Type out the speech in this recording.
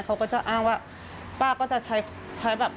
เขาก็จะอ้างว่าป้าก็จะใช้ใช้แบบ